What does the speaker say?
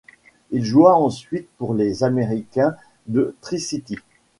Il joua ensuite pour les Americans de Tri-City.